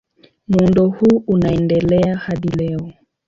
Muundo huu unaendelea hadi leo.